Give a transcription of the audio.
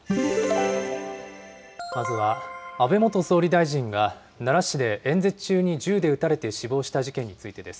まずは、安倍元総理大臣が奈良市で演説中に銃で撃たれて死亡した事件につ